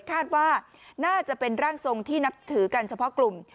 คาดว่าน่าจะเป็นร่างทรงที่นับถือกันเฉพาะกลุ่ม